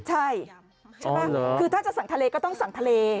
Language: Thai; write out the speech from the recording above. ใช่ใช่ป่ะคือถ้าจะสั่งทะเลก็ต้องสั่งทะเล